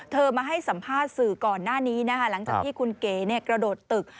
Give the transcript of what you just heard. มาให้สัมภาษณ์สื่อก่อนหน้านี้นะคะหลังจากที่คุณเก๋กระโดดตึก